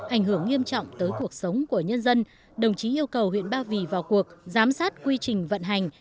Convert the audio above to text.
ảnh hưởng nghiêm trọng tới cuộc sống của nhân dân đồng chí yêu cầu huyện ba vì vào cuộc giám sát quy trình vận hành